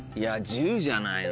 １０じゃないの？